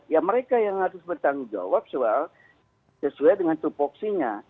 ya mereka yang harus bertanggung jawab soal sesuai dengan tupoksinya